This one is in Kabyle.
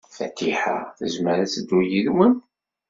Fatiḥa tezmer ad teddu yid-wen?